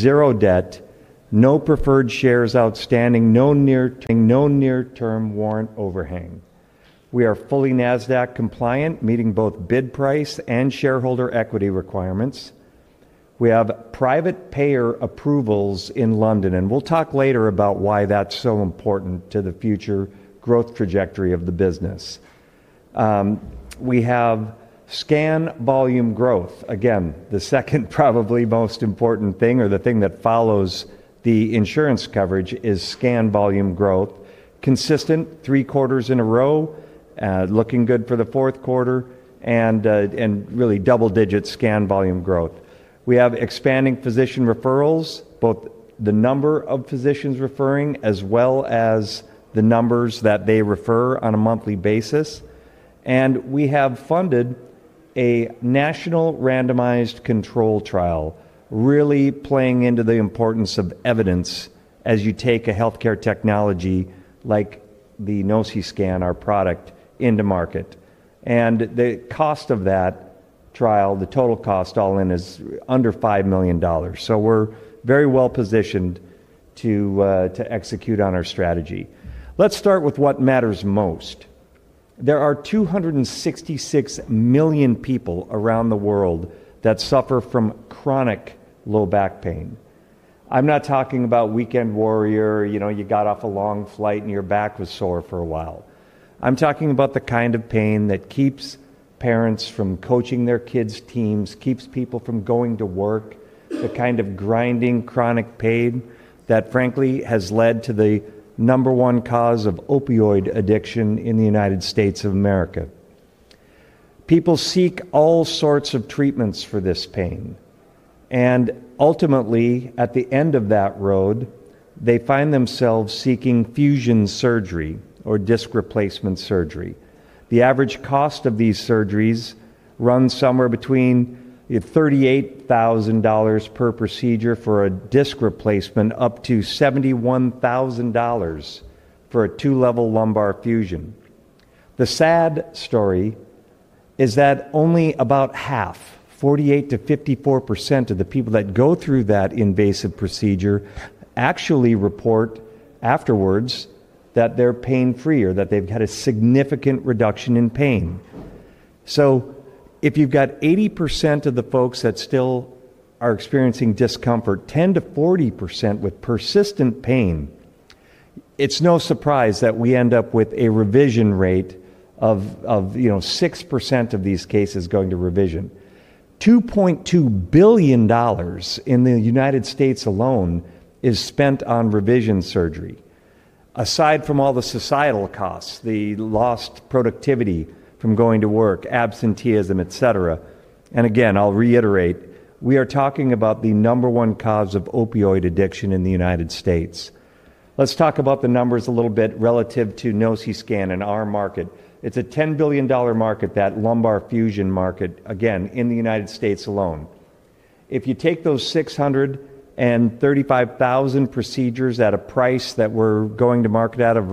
Zero debt, no preferred shares outstanding, no near-term warrant overhang. We are fully NASDAQ compliant, meeting both bid price and shareholder equity requirements. We have private payer approvals in London, and we'll talk later about why that's so important to the future growth trajectory of the business. We have scan volume growth. Again, the second probably most important thing or the thing that follows the insurance coverage is scan volume growth. Consistent three quarters in a row, looking good for the fourth quarter, and really double-digit scan volume growth. We have expanding physician referrals, both the number of physicians referring as well as the numbers that they refer on a monthly basis. We have funded a national randomized control trial, really playing into the importance of evidence as you take a healthcare technology like the NOCISCAN, our product, into market. The cost of that trial, the total cost all in, is under $5 million. We are very well positioned to execute on our strategy. Let's start with what matters most. There are 266 million people around the world that suffer from chronic low back pain. I'm not talking about weekend warrior, you know, you got off a long flight and your back was sore for a while. I'm talking about the kind of pain that keeps parents from coaching their kids' teams, keeps people from going to work, the kind of grinding chronic pain that frankly has led to the number one cause of opioid addiction in the United States of America. People seek all sorts of treatments for this pain. Ultimately, at the end of that road, they find themselves seeking fusion surgery or disc replacement surgery. The average cost of these surgeries runs somewhere between $38,000 per procedure for a disc replacement up to $71,000 for a two-level lumbar fusion. The sad story is that only about half, 48% to 54% of the people that go through that invasive procedure actually report afterwards that they're pain-free or that they've had a significant reduction in pain. If you've got 80% of the folks that still are experiencing discomfort, 10% to 40% with persistent pain, it's no surprise that we end up with a revision rate of 6% of these cases going to revision. $2.2 billion in the United States alone is spent on revision surgery, aside from all the societal costs, the lost productivity from going to work, absenteeism, et cetera. I will reiterate, we are talking about the number one cause of opioid addiction in the United States. Let's talk about the numbers a little bit relative to NOCISCAN and our market. It's a $10 billion market, that lumbar fusion market, in the United States. alone. If you take those 635,000 procedures at a price that we're going to market at of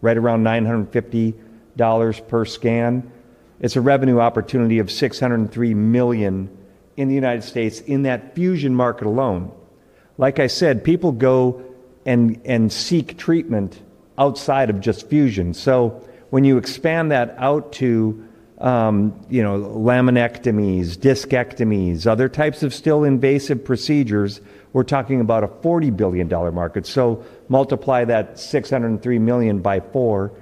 right around $950 per scan, it's a revenue opportunity of $603 million in the U.S. in that fusion market alone. Like I said, people go and seek treatment outside of just fusion. When you expand that out to laminectomies, discectomies, other types of still invasive procedures, we're talking about a $40 billion market. Multiply that $603 million by four.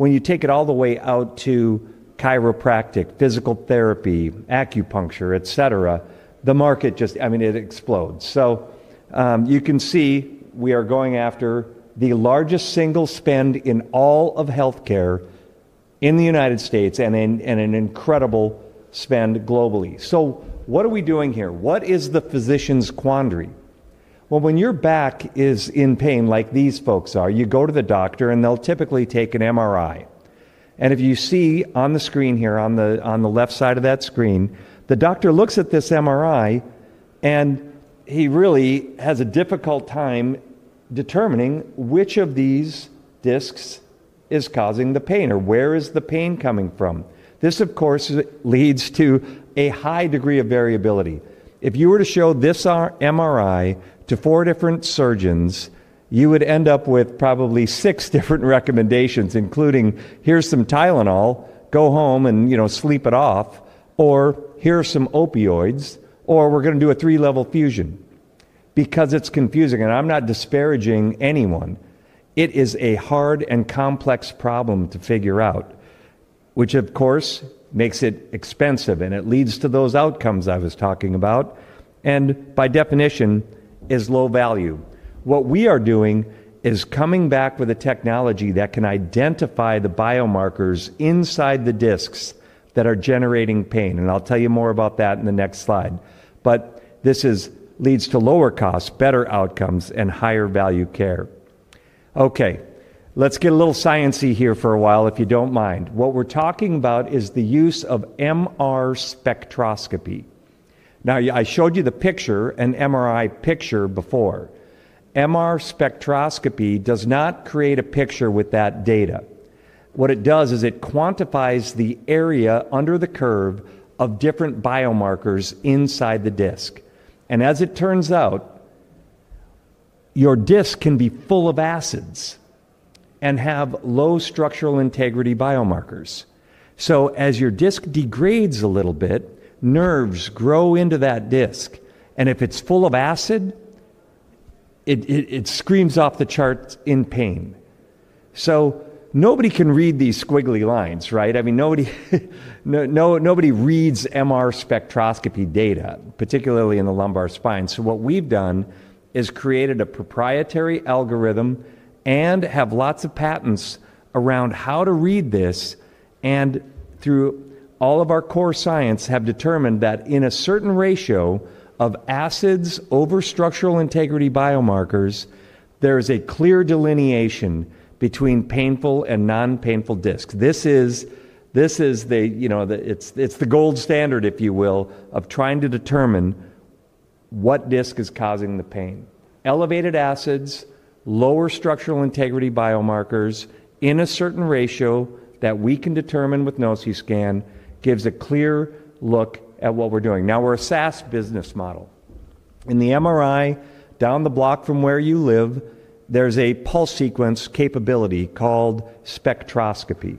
When you take it all the way out to chiropractic, physical therapy, acupuncture, et cetera, the market just explodes. You can see we are going after the largest single spend in all of healthcare in the U.S. and an incredible spend globally. What are we doing here? What is the physician's quandary? When your back is in pain like these folks are, you go to the doctor and they'll typically take an MRI. If you see on the screen here on the left side of that screen, the doctor looks at this MRI and he really has a difficult time determining which of these discs is causing the pain or where the pain is coming from. This leads to a high degree of variability. If you were to show this MRI to four different surgeons, you would end up with probably six different recommendations, including here's some Tylenol, go home and sleep it off, or here are some opioids, or we're going to do a three-level fusion. It is confusing, and I'm not disparaging anyone, it is a hard and complex problem to figure out, which makes it expensive and it leads to those outcomes I was talking about and by definition is low value. What we are doing is coming back with a technology that can identify the biomarkers inside the discs that are generating pain. I'll tell you more about that in the next slide. This leads to lower costs, better outcomes, and higher value care. Let's get a little sciencey here for a while if you don't mind. What we're talking about is the use of MR spectroscopy. I showed you the picture, an MRI picture before. MR spectroscopy does not create a picture with that data. What it does is it quantifies the area under the curve of different biomarkers inside the disc. As it turns out, your disc can be full of acids and have low structural integrity biomarkers. As your disc degrades a little bit, nerves grow into that disc, and if it's full of acid, it screams off the charts in pain. Nobody can read these squiggly lines, right? Nobody reads MR spectroscopy data, particularly in the lumbar spine. What we've done is created a proprietary algorithm and have lots of patents around how to read this, and through all of our core science have determined that in a certain ratio of acids over structural integrity biomarkers, there is a clear delineation between painful and non-painful discs. This is the gold standard, if you will, of trying to determine what disc is causing the pain. Elevated acids, lower structural integrity biomarkers in a certain ratio that we can determine with NOCISCAN gives a clear look at what we're doing. We are a SaaS-based model. In the MRI down the block from where you live, there's a pulse sequence capability called spectroscopy.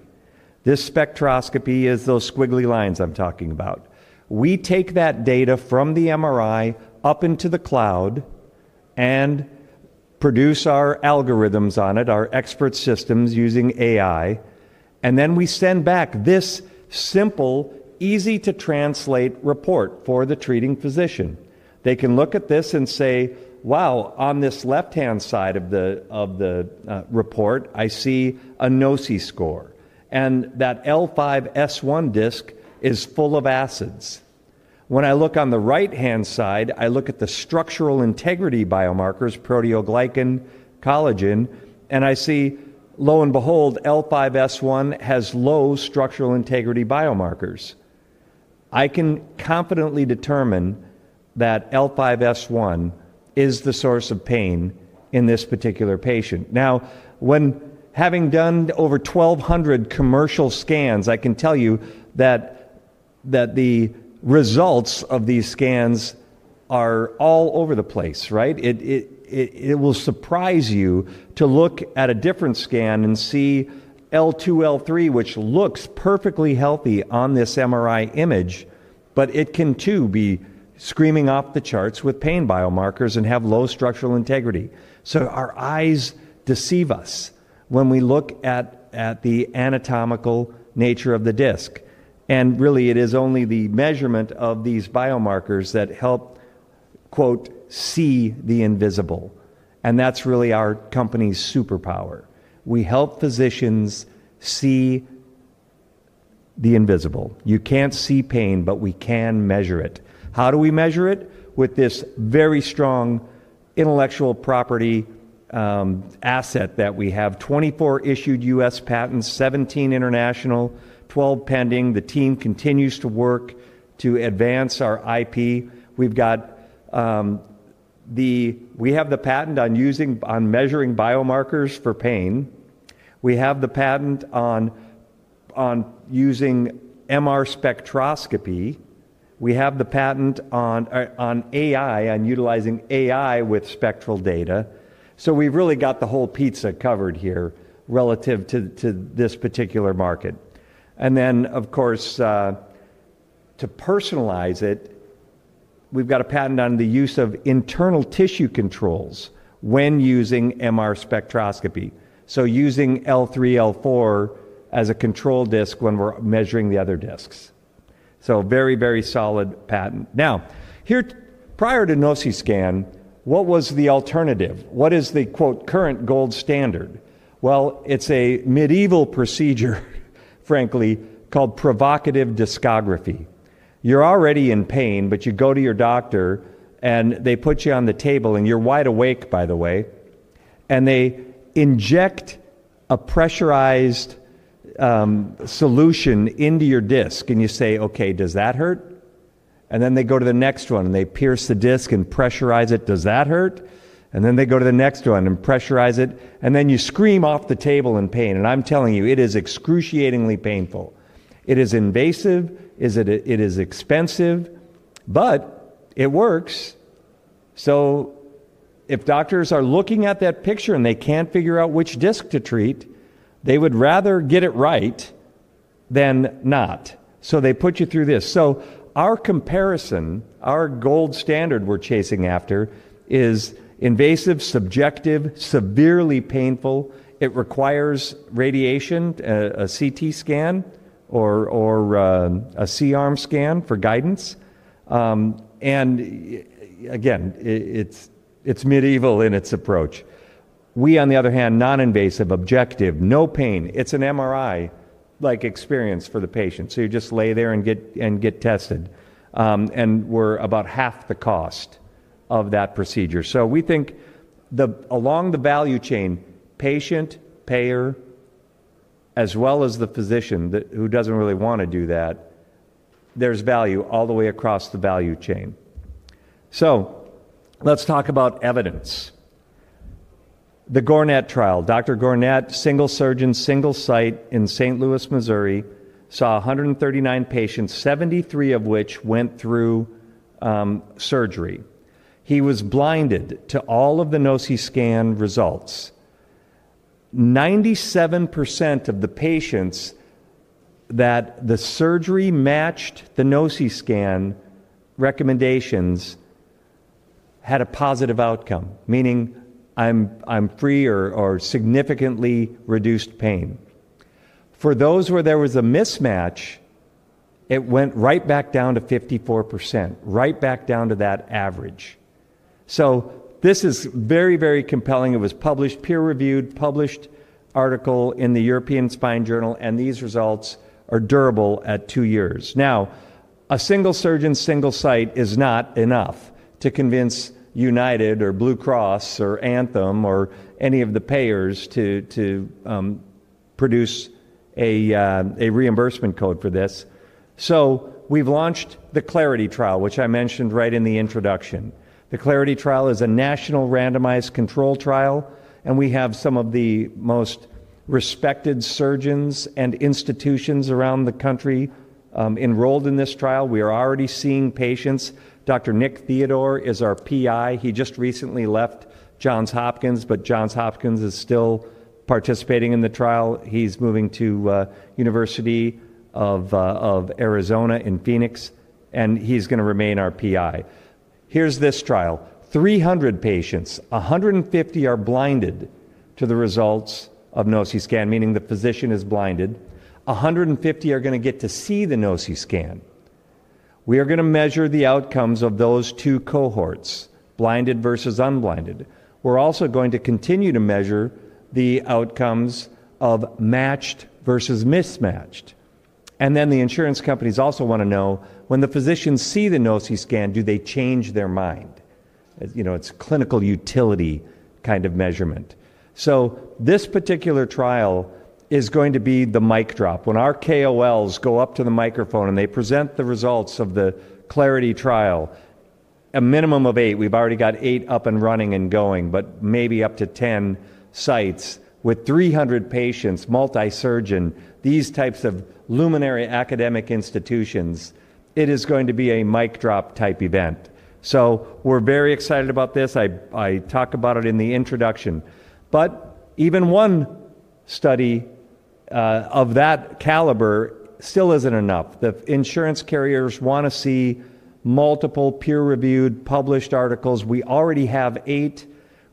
This spectroscopy is those squiggly lines I'm talking about. We take that data from the MRI up into the cloud and produce our algorithms on it, our expert systems using AI-driven algorithms, and then we send back this simple, easy-to-translate report for the treating physician. They can look at this and say, wow, on this left-hand side of the report, I see a NociScore, and that L5-S1 disc is full of acids. When I look on the right-hand side, I look at the structural integrity biomarkers, proteoglycan, collagen, and I see, lo and behold, L5-S1 has low structural integrity biomarkers. I can confidently determine that L5-S1 is the source of pain in this particular patient. Having done over 1,200 commercial scans, I can tell you that the results of these scans are all over the place, right? It will surprise you to look at a different scan and see L2, L3, which looks perfectly healthy on this MRI image, but it can too be screaming off the charts with pain biomarkers and have low structural integrity. Our eyes deceive us when we look at the anatomical nature of the disc, and really it is only the measurement of these biomarkers that help quote "see the invisible." That's really our company's superpower. We help physicians see the invisible. You can't see pain, but we can measure it. How do we measure it? With this very strong intellectual property asset that we have, 24 issued U.S. patents, 17 international, 12 pending. The team continues to work to advance our IP. We've got the patent on measuring biomarkers for pain. We have the patent on using MR spectroscopy. We have the patent on AI, on utilizing AI with spectral data. We've really got the whole pizza covered here relative to this particular market. Of course, to personalize it, we've got a patent on the use of internal tissue controls when using MR spectroscopy, so using L3, L4 as a control disc when we're measuring the other discs. A very, very solid patent. Prior to NOCISCAN, what was the alternative? What is the "current gold standard?" It is a medieval procedure, frankly, called provocative discography. You're already in pain, but you go to your doctor and they put you on the table and you're wide awake, by the way, and they inject a pressurized solution into your disc and you say, okay, does that hurt? They go to the next one and they pierce the disc and pressurize it, does that hurt? They go to the next one and pressurize it, and then you scream off the table in pain. I'm telling you, it is excruciatingly painful. It is invasive, it is expensive, but it works. If doctors are looking at that picture and they can't figure out which disc to treat, they would rather get it right than not. They put you through this. Our comparison, our gold standard we're chasing after is invasive, subjective, severely painful. It requires radiation, a CT scan, or a C-arm scan for guidance. It is medieval in its approach. We, on the other hand, non-invasive, objective, no pain. It's an MRI-like experience for the patient. You just lay there and get tested. We're about half the cost of that procedure. We think along the value chain, patient, payer, as well as the physician who doesn't really want to do that, there's value all the way across the value chain. Let's talk about evidence. The Gornett trial, Dr. Gornett, single surgeon, single site in St. Louis, Missouri, saw 139 patients, 73 of which went through surgery. He was blinded to all of the NOCISCAN results. 97% of the patients that the surgery matched the NOCISCAN recommendations had a positive outcome, meaning I'm free or significantly reduced pain. For those where there was a mismatch, it went right back down to 54%, right back down to that average. This is very, very compelling. It was published, peer-reviewed, published article in the European Spine Journal, and these results are durable at two years. Now, a single surgeon, single site is not enough to convince United or Blue Cross or Anthem or any of the payers to produce a reimbursement code for this. We have launched the Clarity trial, which I mentioned right in the introduction. The Clarity trial is a national randomized control trial, and we have some of the most respected surgeons and institutions around the country enrolled in this trial. We are already seeing patients. Dr. Nicholas Theodore is our PI. He just recently left Johns Hopkins, but Johns Hopkins is still participating in the trial. He is moving to the University of Arizona in Phoenix, and he is going to remain our PI. Here is this trial. 300 patients, 150 are blinded to the results of NOCISCAN, meaning the physician is blinded. 150 are going to get to see the NOCISCAN. We are going to measure the outcomes of those two cohorts, blinded versus unblinded. We are also going to continue to measure the outcomes of matched versus mismatched. The insurance companies also want to know when the physicians see the NOCISCAN, do they change their mind? You know, it is clinical utility kind of measurement. This particular trial is going to be the mic drop. When our KOLs go up to the microphone and they present the results of the Clarity trial, a minimum of eight, we have already got eight up and running and going, but maybe up to 10 sites with 300 patients, multi-surgeon, these types of luminary academic institutions, it is going to be a mic drop type event. We are very excited about this. I talk about it in the introduction. Even one study of that caliber still is not enough. The insurance carriers want to see multiple peer-reviewed published articles. We already have eight.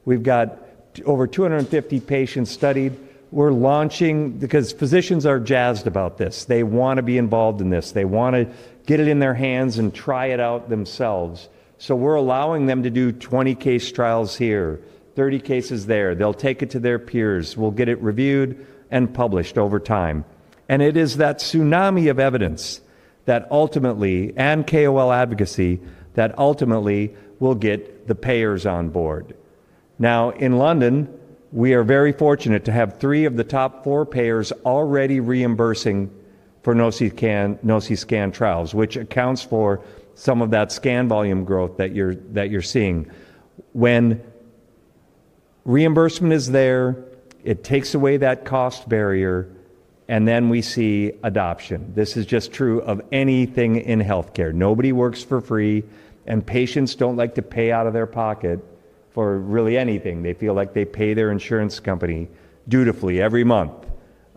We have got over 250 patients studied. We are launching because physicians are jazzed about this. They want to be involved in this. They want to get it in their hands and try it out themselves. We are allowing them to do 20 case trials here, 30 cases there. They will take it to their peers. We will get it reviewed and published over time. It is that tsunami of evidence that ultimately, and KOL advocacy, that ultimately will get the payers on board. In London, we are very fortunate to have three of the top four payers already reimbursing for NOCISCAN trials, which accounts for some of that scan volume growth that you are seeing. When reimbursement is there, it takes away that cost barrier, and then we see adoption. This is just true of anything in healthcare. Nobody works for free, and patients don't like to pay out of their pocket for really anything. They feel like they pay their insurance company dutifully every month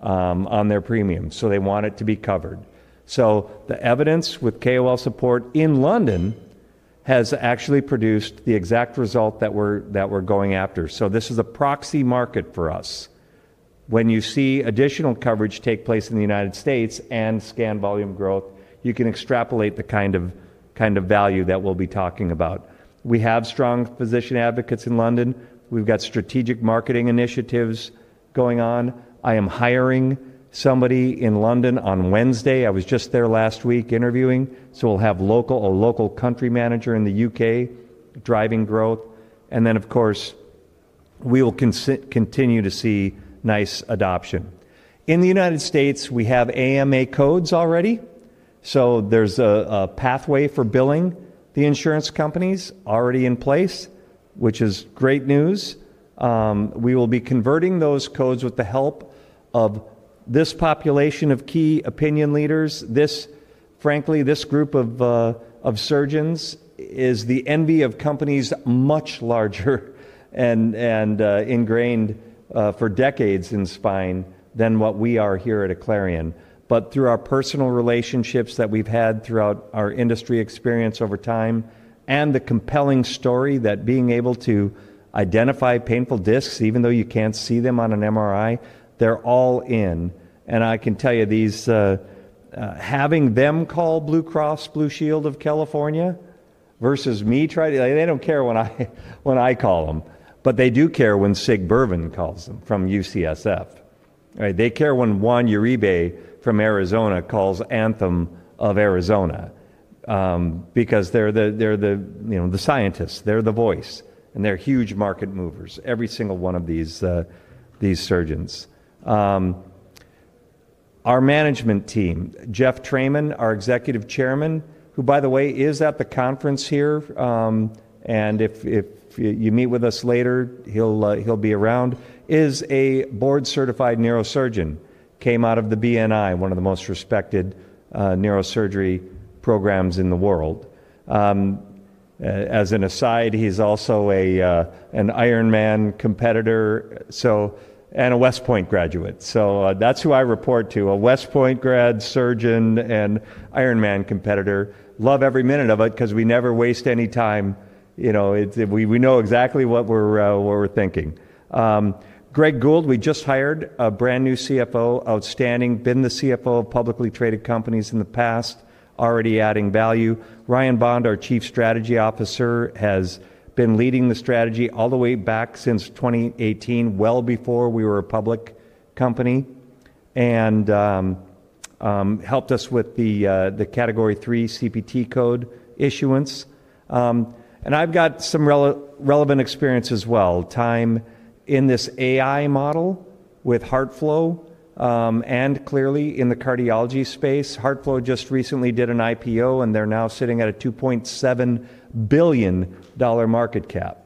on their premium. They want it to be covered. The evidence with KOL support in London has actually produced the exact result that we're going after. This is a proxy market for us. When you see additional coverage take place in the U.S. and scan volume growth, you can extrapolate the kind of value that we'll be talking about. We have strong physician advocates in London. We've got strategic marketing initiatives going on. I am hiring somebody in London on Wednesday. I was just there last week interviewing. We'll have a local country manager in the UK driving growth. Of course, we will continue to see nice adoption. In the U.S., we have AMA codes already. There's a pathway for billing the insurance companies already in place, which is great news. We will be converting those codes with the help of this population of key opinion leaders. Frankly, this group of surgeons is the envy of companies much larger and ingrained for decades in spine than what we are here at Aclarion. Through our personal relationships that we've had throughout our industry experience over time and the compelling story that being able to identify painful discs, even though you can't see them on an MRI, they're all in. I can tell you, having them call Blue Cross Blue Shield of California versus me, they don't care when I call them, but they do care when Sig. Berven calls them from UCSF. They care when Juan Uribe from Arizona calls Anthem of Arizona because they're the scientists, they're the voice, and they're huge market movers, every single one of these surgeons. Our management team, Jeff Treyman, our Executive Chairman, who, by the way, is at the conference here, and if you meet with us later, he'll be around, is a board-certified neurosurgeon, came out of the BNI, one of the most respected neurosurgery programs in the world. As an aside, he's also an Ironman competitor and a West Point graduate. That's who I report to, a West Point grad surgeon and Ironman competitor. Love every minute of it because we never waste any time. We know exactly what we're thinking. Greg Gould, we just hired, a brand new CFO, outstanding, been the CFO of publicly traded companies in the past, already adding value. Ryan Bond, our Chief Strategy Officer, has been leading the strategy all the way back since 2018, well before we were a public company, and helped us with the category three CPT code issuance. I've got some relevant experience as well, time in this AI model with HeartFlow and clearly in the cardiology space. HeartFlow just recently did an IPO and they're now sitting at a $2.7 billion market cap.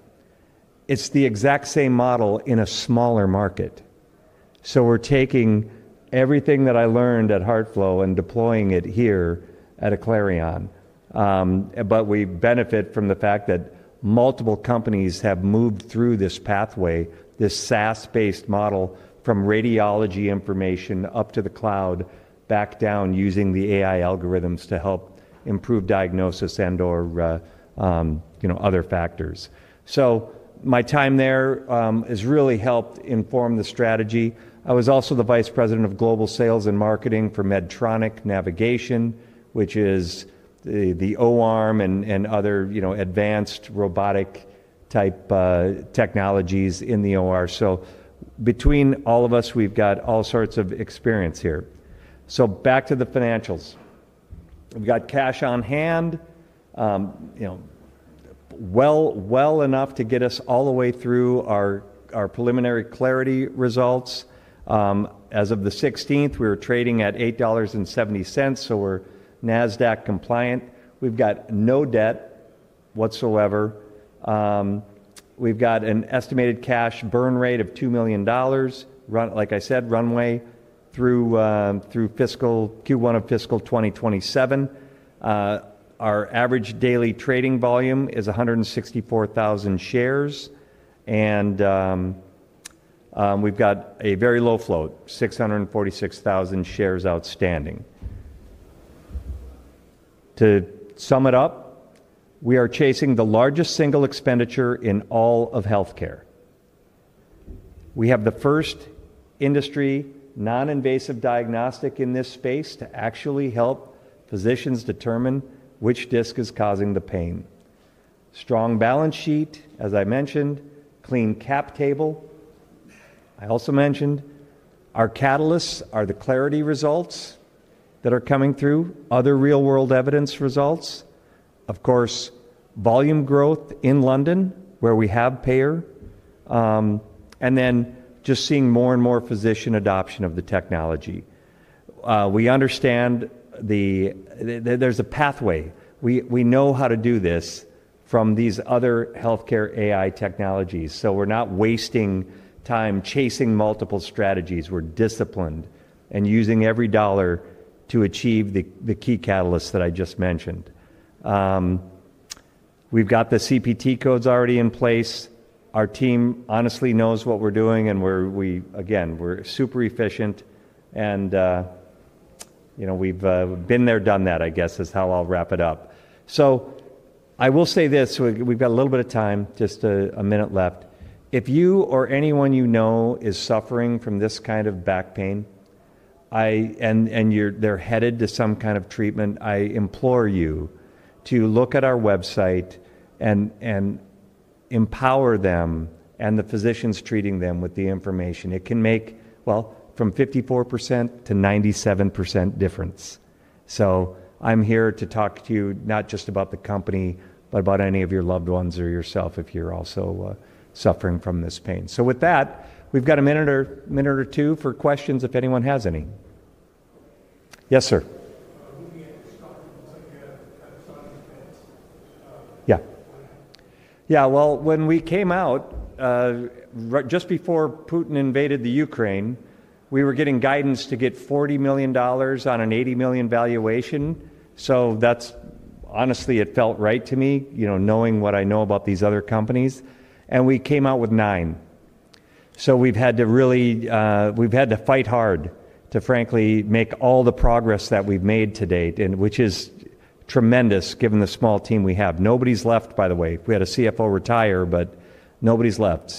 It's the exact same model in a smaller market. We are taking everything that I learned at HeartFlow and deploying it here at Aclarion, but we benefit from the fact that multiple companies have moved through this pathway, this SaaS-based model from radiology information up to the cloud, back down using the AI-driven algorithms to help improve diagnosis and/or other factors. My time there has really helped inform the strategy. I was also the Vice President of Global Sales and Marketing for Medtronic Navigation, which is the O-arm and other advanced robotic type technologies in the OR. Between all of us, we've got all sorts of experience here. Back to the financials. We've got cash on hand, well enough to get us all the way through our preliminary Clarity results. As of the 16th, we were trading at $8.70, so we're NASDAQ compliant. We've got no debt whatsoever. We've got an estimated cash burn rate of $2 million, like I said, runway through Q1 of fiscal 2027. Our average daily trading volume is 164,000 shares, and we've got a very low float, 646,000 shares outstanding. To sum it up, we are chasing the largest single expenditure in all of healthcare. We have the first industry non-invasive diagnostic in this space to actually help physicians determine which disc is causing the pain. Strong balance sheet, as I mentioned, clean cap table. I also mentioned our catalysts are the Clarity results that are coming through, other real-world evidence results, volume growth in London, where we have payer, and then just seeing more and more physician adoption of the technology. We understand there's a pathway. We know how to do this from these other healthcare AI technologies. We are not wasting time chasing multiple strategies. We're disciplined and using every dollar to achieve the key catalysts that I just mentioned. We've got the CPT codes already in place. Our team honestly knows what we're doing, and again, we're super efficient, and we've been there, done that, I guess, is how I'll wrap it up. I will say this, we've got a little bit of time, just a minute left. If you or anyone you know is suffering from this kind of back pain, and they're headed to some kind of treatment, I implore you to look at our website and empower them and the physicians treating them with the information. It can make, from 54% to 97% difference. I'm here to talk to you not just about the company, but about any of your loved ones or yourself if you're also suffering from this pain. With that, we've got a minute or two for questions if anyone has any. Yes, sir. Yeah, when we came out, just before Putin invaded Ukraine, we were getting guidance to get $40 million on an $80 million valuation. Honestly, it felt right to me, knowing what I know about these other companies, and we came out with nine. We've had to really fight hard to frankly make all the progress that we've made to date, which is tremendous given the small team we have. Nobody's left, by the way. We had a CFO retire, but nobody's left.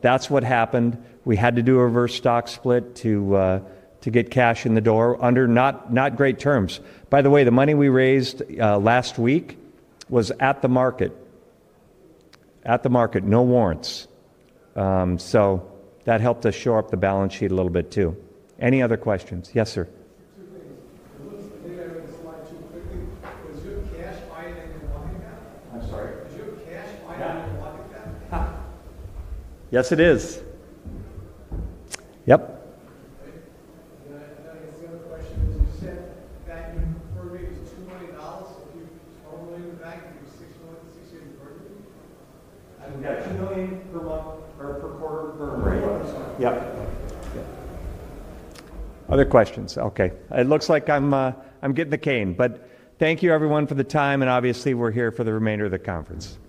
That's what happened. We had to do a reverse stock split to get cash in the door under not great terms. By the way, the money we raised last week was at the market. At the market, no warrants. That helped us shore up the balance sheet a little bit too. Any other questions? Yes, sir. Two things. It looks to me I read the slide too quickly. Does your cash buy it in your pocket now? I'm sorry? Does your cash buy it in your pocket now? Yes, it is. Yep. I have another question. You said that you preferred it was $2 million if you owned the bank and you were 60 years in the burden? I've got $2 million per month or per quarter per employee. Per employee, sorry. Yep. Okay. Other questions? Okay. It looks like I'm getting the cane, but thank you everyone for the time, and obviously we're here for the remainder of the conference. Thank you.